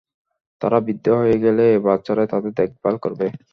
তারা বৃদ্ধ হয়ে গেলে এই বাচ্চারাই তাদের দেখবাল করবে।